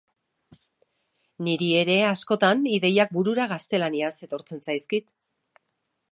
Niri ere, askotan, ideiak burura gaztelaniaz etortzen zaizkit.